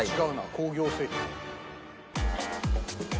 工業製品。